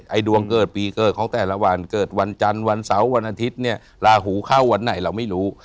ดวงเกิดปีเกิดของแต่ละวันเกิดวันจันทร์วันเสาร์วันอาทิตย์เนี่ยลาหูเข้าวันไหนเราไม่รู้